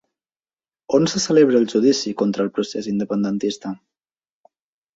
On se celebra el judici contra el procés independentista?